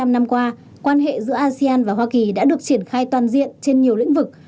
bốn mươi năm năm qua quan hệ giữa asean và hoa kỳ đã được triển khai toàn diện trên nhiều lĩnh vực